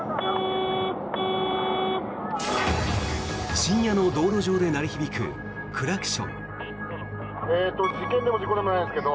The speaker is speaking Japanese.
深夜の道路上で鳴り響くクラクション。